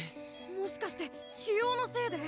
もしかして腫瘍のせいで？